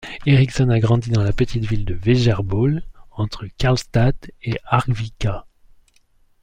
Ericsson a grandi dans la petite ville de Vegerbol, entre Karlstad et Arvika.